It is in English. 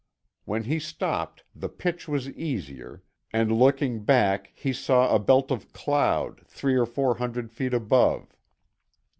When he stopped the pitch was easier, and looking back he saw a belt of cloud three or four hundred feet above.